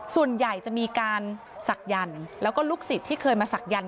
ส่วนใหญ่จะมีการศักดิ์แล้วก็ลูกศิษย์ที่เคยมาศักยันต